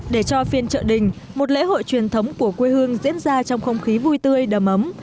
để cho phiên trợ đình một lễ hội truyền thống của quê hương diễn ra trong không khí vui tươi đầm ấm